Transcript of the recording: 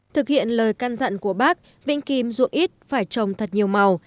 thực hiện lời căn dặn của bác vĩnh kim ruộng ít phải trồng thật nhiều màu